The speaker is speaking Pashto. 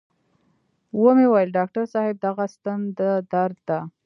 و مې ويل ډاکتر صاحب دغه ستن د درد ده.